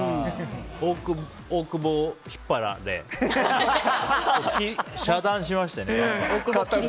大久保引っ張られ遮断しました。